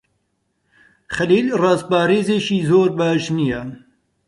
خەلیل ڕازپارێزێکی زۆر باش نییە.